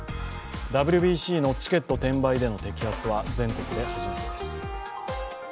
ＷＢＣのチケット転売での摘発は全国で初めてです。